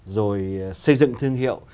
rồi xây dựng thương hiệu